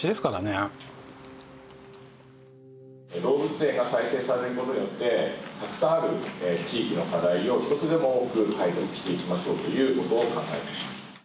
動物園が再生されることによってたくさんある地域の課題を一つでも多く解決していきましょうということ考えています。